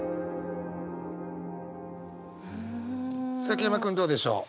崎山君どうでしょう？